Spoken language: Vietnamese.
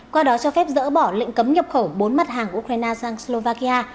qua đó cho phép dỡ bỏ lệnh cấm nhập khẩu bốn mặt hàng của ukraine sang slovakia